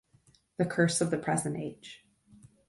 The curse of the present age.